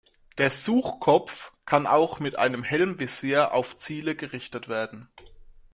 Der Suchkopf kann auch mit einem Helmvisier auf Ziele gerichtet werden.